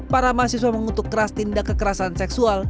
para mahasiswa mengutuk keras tindak kekerasan seksual